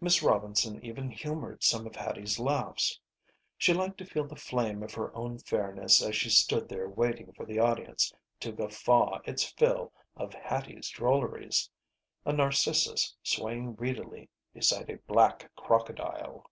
Miss Robinson even humored some of Hattie's laughs. She liked to feel the flame of her own fairness as she stood there waiting for the audience to guffaw its fill of Hattie's drolleries; a narcissus swaying reedily beside a black crocodile.